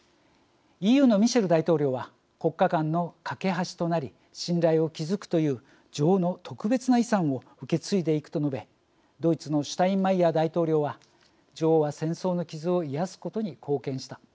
ＥＵのミシェル大統領は「国家間の懸け橋となり信頼を築くという女王の特別な遺産を受け継いでいく」と述べドイツのシュタインマイヤー大統領は「女王は戦争の傷を癒やすことに貢献した。